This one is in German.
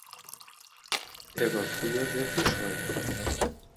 Er war früher sehr fischreich.